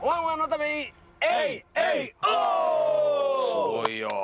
すごいよ！